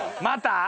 また？